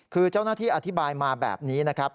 คือเจ้าหน้าที่อธิบายมาแบบนี้นะครับ